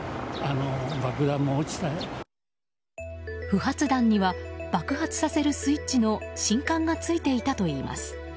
不発弾には爆発させるスイッチの信管が付いていたといいます。